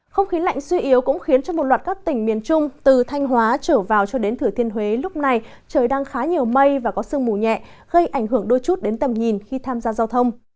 không khí lạnh suy yếu cũng khiến cho một loạt các tỉnh miền trung từ thanh hóa trở vào cho đến thử thiên huế lúc này trời đang khá nhiều mây và có sương mù nhẹ gây ảnh hưởng đôi chút đến tầm nhìn khi tham gia giao thông